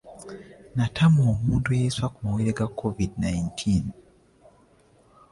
Natamwa omuntu eyeesiba ku mawulire ga covid nineteen.!!